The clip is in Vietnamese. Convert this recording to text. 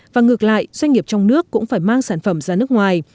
và ngược lại doanh nghiệp trong nước cũng phải mang sản phẩm ra nước ngoài